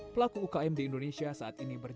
pelaku ukm di indonesia saat ini berjalan